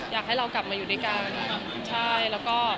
อยากให้เรากลับมาอยู่ด้วยกัน